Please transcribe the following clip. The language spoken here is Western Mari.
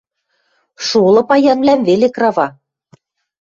– Шолы паянвлӓм веле крава.